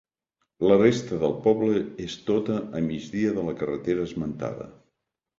La resta del poble és tota a migdia de la carretera esmentada.